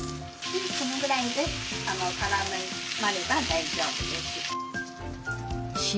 これぐらいでからまれば大丈夫です。